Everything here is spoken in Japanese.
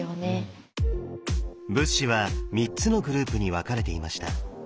仏師は３つのグループに分かれていました。